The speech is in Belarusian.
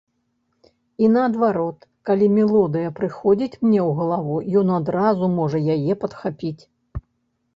І, наадварот, калі мелодыя прыходзіць мне ў галаву, ён адразу можа яе падхапіць.